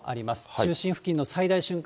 中心付近の最大瞬間